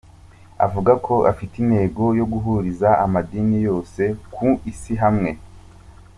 Avuga ko afite intego yo guhuriza amadini yose yo ku Isi hamwe.